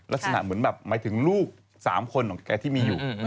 ลักษณะเหมือนแบบหมายถึงลูก๓คนของแกที่มีอยู่